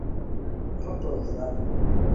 Mtoto wa jirani.